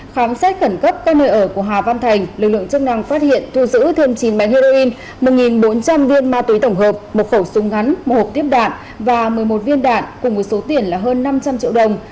khám xét khẩn cấp các nơi ở của hà văn thành lực lượng chức năng phát hiện thu giữ thêm chín bánh heroin một bốn trăm linh viên ma túy tổng hợp một khẩu súng ngắn một hộp tiếp đạn và một mươi một viên đạn cùng với số tiền là hơn năm trăm linh triệu đồng